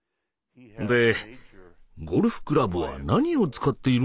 で「ゴルフクラブは何を使っているんだ？